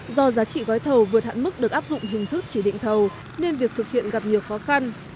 do giá trị gói thầu vượt hạn mức được áp dụng hình thức chỉ định thầu nên việc thực hiện gặp nhiều khó khăn